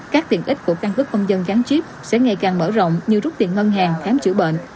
các tiện ích của căn cước công dân gắn chip sẽ ngày càng mở rộng như rút tiền ngân hàng khám chữa bệnh